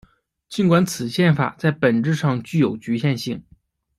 尽管此宪法在本质上具有局限性。